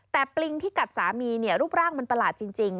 แต่ปริงที่กัดสามีรูปร่างมันประหลาดจริง